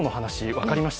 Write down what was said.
分かりました。